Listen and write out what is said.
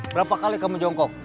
berapa kali kamu jongkok